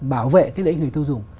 bảo vệ lợi ích người tiêu dùng